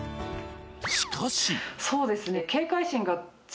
しかしそうですね